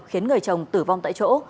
khiến người chồng tử vong tại chỗ